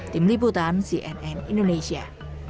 tim liputan cnn indonesia